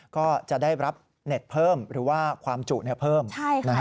ก็จะได้รับเน็ตเพิ่มหรือว่าความจุในการศึกษาเพิ่ม